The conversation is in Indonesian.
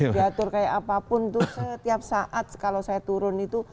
diatur kayak apapun tuh setiap saat kalau saya turun itu